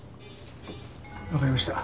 わかりました。